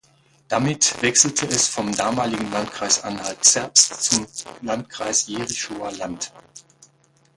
Damit wechselte es vom damaligen Landkreis Anhalt-Zerbst zum Landkreis Jerichower Land.